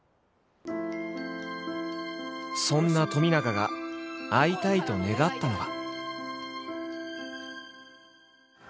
そんな冨永が会いたいと願ったのは。